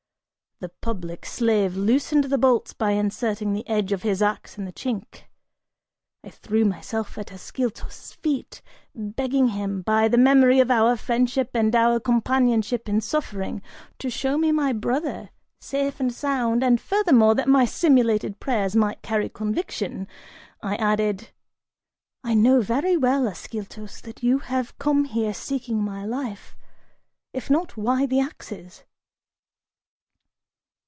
The public slave loosened the bolts by inserting the edge of his ax in the chink. I threw myself at Ascyltos' feet, begging him, by the memory of our friendship and our companionship in suffering, to show me my "brother," safe and sound, and furthermore, that my simulated prayers might carry conviction, I added, "I know very well, Ascyltos, that you have come here seeking my life. If not, why the axes?